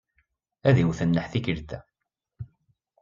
Ad iwet nneḥ tikkelt-a.